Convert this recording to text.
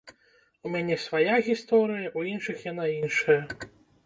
У мяне свая гісторыя, у іншых яна іншая.